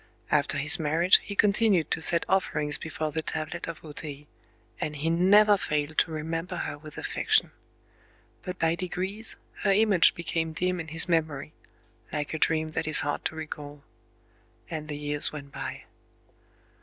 After his marriage he continued to set offerings before the tablet of O Tei; and he never failed to remember her with affection. But by degrees her image became dim in his memory,—like a dream that is hard to recall. And the years went by.